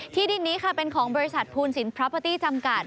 ที่ดินนี้ค่ะเป็นของบริษัทภูนศิลปรอปาร์ตี้จำกัด